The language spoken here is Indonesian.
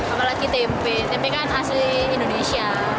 apalagi tempe tempe kan asli indonesia